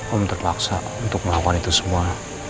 om terpaksa untuk melakukan itu semua